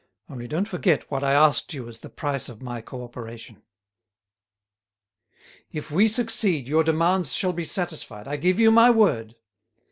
"Only don't forget what I asked you as the price of my cooperation." "If we succeed your demands shall be satisfied, I give you my word.